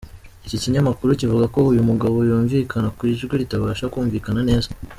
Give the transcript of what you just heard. Iki kinyamakuru kivuga ko uyu mugabo yumvikana mu ijwi ritabasha kumvikana neza.